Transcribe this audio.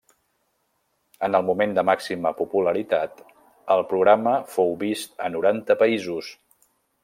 En el moment de màxima popularitat el programa fou vist a noranta països.